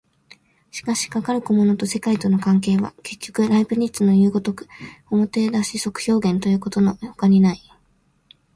しかしかかる個物と世界との関係は、結局ライプニッツのいう如く表出即表現ということのほかにない。